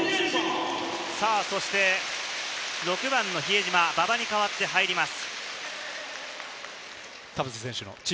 そして６番の比江島、馬場に代わって入ります。